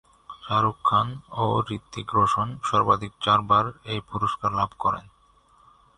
শাহরুখ খান ও হৃতিক রোশন সর্বাধিক চারবার এই পুরস্কার লাভ করেন।